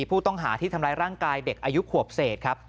ผู้ต้องหาที่ทำร้ายร่างกายเด็กอายุขวบเศษครับ